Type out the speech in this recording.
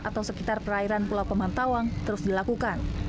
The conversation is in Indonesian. atau sekitar perairan pulau pemantawang terus dilakukan